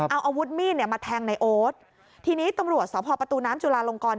เอาอาวุธมีดมาแทงในโอ๊ตทีนี้ตำรวจสพประตูน้ำจุลาลงกร